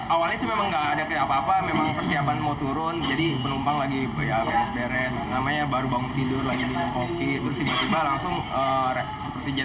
awalnya itu memang tidak ada apa apa memang persiapan mau turun jadi penumpang lagi beres beres baru bangun tidur lagi minum kopi